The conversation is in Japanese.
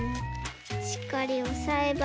しっかりおさえばりに。